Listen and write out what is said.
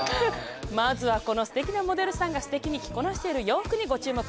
まずはこのすてきなモデルさんがすてきに着こなしている洋服にご注目！